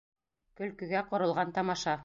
Көлкөгә ҡоролған тамаша.